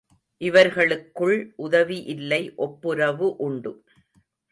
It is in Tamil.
இவர்களுக்குள் உதவி இல்லை ஒப்புரவு உண்டு.